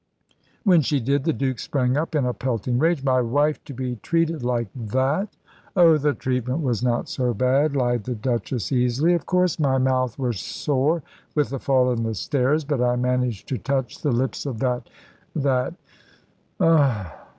When she did the Duke sprang up in a pelting rage. "My wife to be treated like that!" "Oh, the treatment was not so bad," lied the Duchess, easily. "Of course, my mouth was sore with the fall on the stairs, but I managed to touch the lips of that that Ugh!